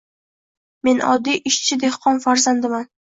Men oddiy ishchi-dehqon farzandiman.